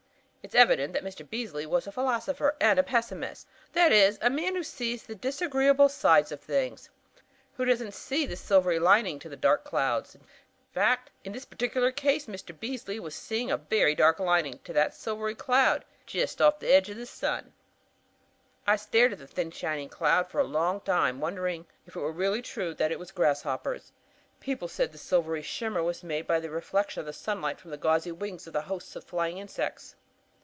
"It is evident that Mr. Beasley was a philosopher and a pessimist; that is, a man who sees the disagreeable sides of things, who doesn't see the silvery lining to the dark clouds. In fact, in this particular case Mr. Beasley was seeing a very dark lining to that silvery cloud 'jest off the edge o' the sun.' "I stared at the thin shining cloud for a long time, wondering if it were really true that it was grasshoppers. People said the silvery shimmer was made by the reflection of the sunlight from the gauzy wings of the hosts of flying insects.